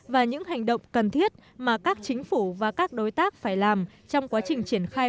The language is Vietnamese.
và những hành động cần thiết mà các chính phủ và các đối tác phải làm trong quá trình triển khai